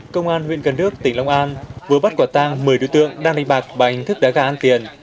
công an huyện cần đức tỉnh long an vừa bắt quả tang một mươi đối tượng đang đánh bạc bài hình thức đã gã an tiền